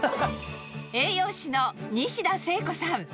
栄養士の西田聖子さん。